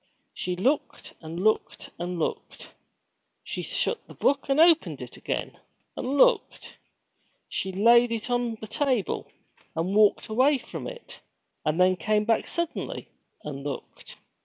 She looked and looked and looked. She shut the book and opened it again, and looked. She laid it on the table, and walked away from it, and then came back suddenly, and looked.